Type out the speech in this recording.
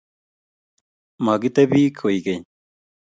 Magitebi koek keny